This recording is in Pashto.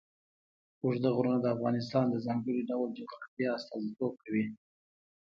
اوږده غرونه د افغانستان د ځانګړي ډول جغرافیه استازیتوب کوي.